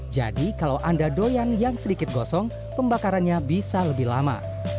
jadi kalau anda doyan yang sedikit gosong pembakarannya bisa lebih lama